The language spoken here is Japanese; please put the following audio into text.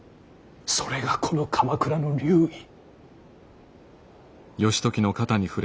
それがこの鎌倉の流儀。